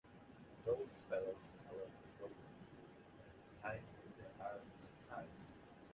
Those fellows aren't going to sign the armistice.